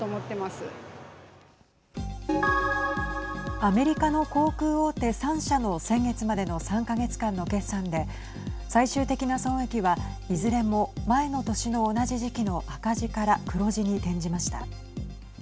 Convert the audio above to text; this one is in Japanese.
アメリカの航空大手３社の先月までの３か月間の決算で最終的な損益はいずれも前の年の同じ時期の赤字から黒字に転じました。